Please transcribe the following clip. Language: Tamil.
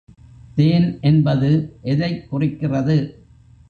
தேன் என்பது எதைக் குறிக்கிறது?